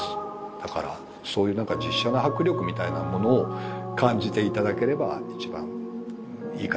だからそういう実写の迫力みたいなものを感じていただければ一番いいかなと思います。